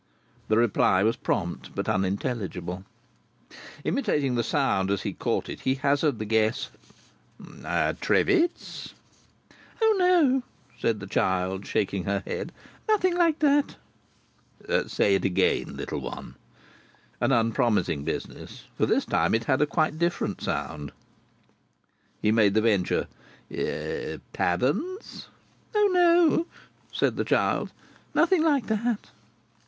The reply was prompt, but unintelligible. Imitating the sound, as he caught it, he hazarded the guess, "Trivits?" "O no!" said the child, shaking her head. "Nothing like that." "Say it again, little one." An unpromising business. For this time it had quite a different sound. He made the venture: "Paddens?" "O no!" said the child. "Nothing like that."